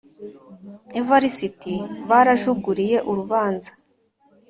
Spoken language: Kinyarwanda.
Evariste barajururiye urubanza